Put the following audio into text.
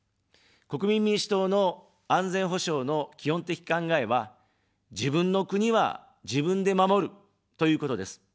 国民民主党の安全保障の基本的考えは、自分の国は自分で守る、ということです。